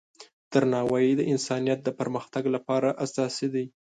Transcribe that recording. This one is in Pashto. درناوی د انسانیت د پرمختګ لپاره اساسي دی.